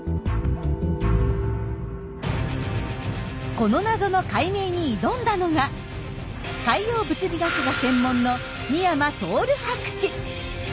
この謎の解明に挑んだのが海洋物理学が専門の美山透博士。